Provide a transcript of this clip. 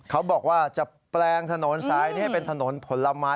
เขาบอกว่าจะแปลงถนนซ้ายนี้ให้เป็นถนนผลไม้